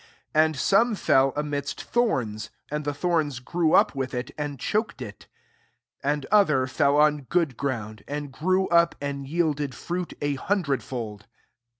7 And some I amidst thorns; and the tboi grew up with it, and choked^j 8 And other fell on fm ground, and grew up, and ylil ed fruit a hundred fold.